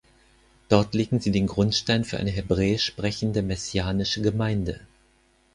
Dort legten sie den Grundstein für eine hebräisch sprechende messianische Gemeinde.